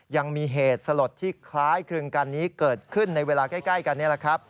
ยังมีเหตุสลดที่คล้ายครึงกันนี้เกิดขึ้นในเวลาใกล้กันนี่แหละครับ